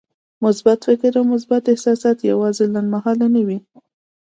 مثبت فکر او مثبت احساسات يوازې لنډمهاله نه وي.